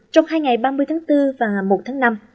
trong hai ngày ba mươi tháng bốn và ngày một tháng năm